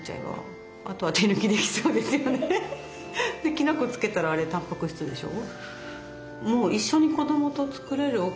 きな粉つけたらあれたんぱく質でしょ。